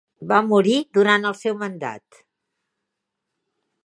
Va morir durant el seu mandat.